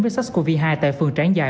với sars cov hai tại phường tráng dài